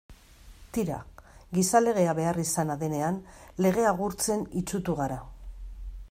Tira, gizalegea beharrizana denean legea gurtzen itsutu gara.